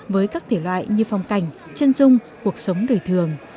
với các thể loại như phong cảnh chân dung cuộc sống đời thường